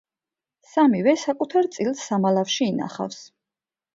სამივე საკუთარ წილს სამალავში ინახავს.